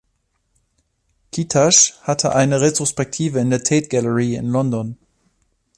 Kitaj hatte eine Retrospektive in der Tate Gallery in London.